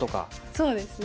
そうですね。